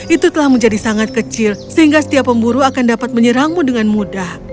itu telah menjadi sangat kecil sehingga setiap pemburu akan dapat menyerangmu dengan mudah